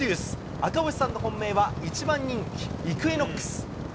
赤星さんの本命は、１番人気、イクイノックス。